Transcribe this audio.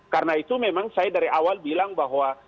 karena itu memang saya dari awal bilang bahwa